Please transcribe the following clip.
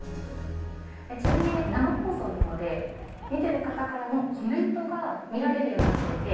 ちなみに生放送なんで、見てる方からのコメントが見られるようになっていて。